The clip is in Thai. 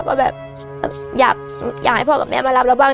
ว่าแบบอยากให้พ่อกับแม่มารับเราบ้าง